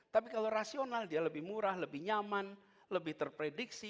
tapi kalau rasional dia lebih murah lebih nyaman lebih terprediksi